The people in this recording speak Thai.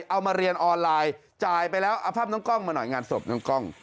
เอามาเรียนออนไลน์จ่ายไปแล้วเอาภาพน้องกล้องมาหน่อยงานศพน้องกล้อง